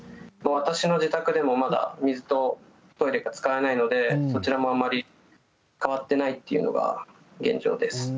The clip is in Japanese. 私の自宅もまだ水とトイレが使えないので、こちらもあまり変わっていないというのが現状です。